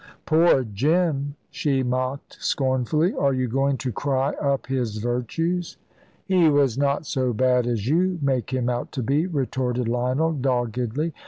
"Poor Jim," she mocked scornfully; "are you going to cry up his virtues?" "He was not so bad as you make him out to be," retorted Lionel, doggedly.